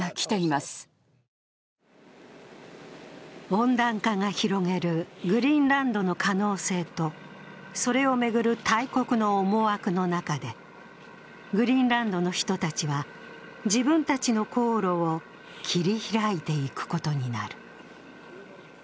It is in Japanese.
温暖化が広げるグリーンランドの可能性とそれを巡る大国の思惑の中でグリーンランドの人たちは自分たちの航路を切り開いていくことになる。